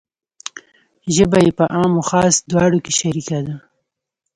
ژبه یې په عام و خاص دواړو کې شریکه ده.